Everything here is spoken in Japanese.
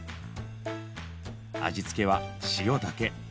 味付けは塩だけ。